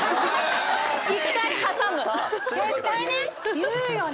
絶対ね言うよね。